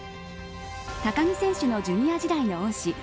高木選手のジュニア時代の恩師